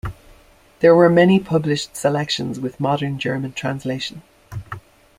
There are many published selections with Modern German translation.